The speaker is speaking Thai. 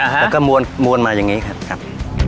แล้วก็มวลมาอย่างนี้ครับ